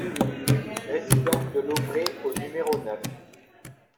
Résidence de l'Aubrée au numéro neuf